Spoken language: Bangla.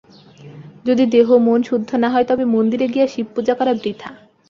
যদি দেহ-মন শুদ্ধ না হয়, তবে মন্দিরে গিয়া শিবপূজা করা বৃথা।